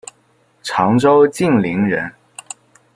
常州晋陵人。